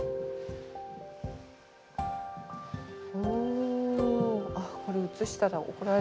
お。